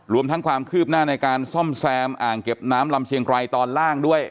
รวมทั้งความคืบหน้าในการซ่อมแซมอ่างเก็บน้ำลำเชียงไกรตอนล่างด้วย